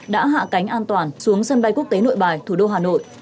đã hạ cánh an toàn xuống sân bay quốc tế nội bài thủ đô hà nội